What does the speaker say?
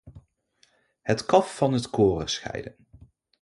Het kaf van het koren scheiden.